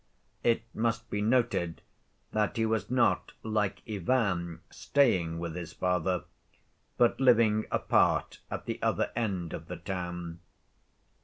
It must be noted that he was not, like Ivan, staying with his father, but living apart at the other end of the town.